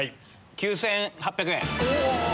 ９８００円！